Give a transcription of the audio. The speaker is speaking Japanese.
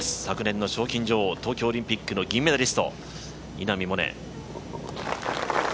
昨年の賞金女王、東京オリンピックの銀メダリスト・稲見萌寧。